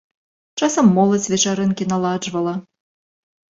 Часам моладзь вечарынкі наладжвала.